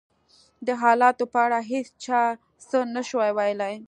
د حالاتو په اړه هېڅ چا څه نه شوای ویلای.